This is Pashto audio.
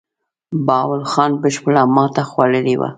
بهاول خان بشپړه ماته خوړلې وه.